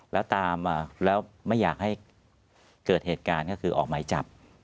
แล้วไม่อยากให้เกิดเหตุการณ์ก็คือออกไหมจับ